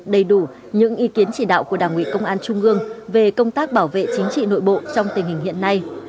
đầy đủ những ý kiến chỉ đạo của đảng ủy công an trung ương về công tác bảo vệ chính trị nội bộ trong tình hình hiện nay